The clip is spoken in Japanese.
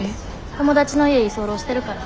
友達の家居候してるから。